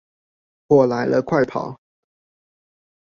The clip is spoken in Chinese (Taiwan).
火來了，快跑